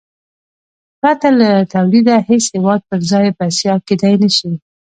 پرته له تولیده هېڅ هېواد پر ځان بسیا کېدای نه شي.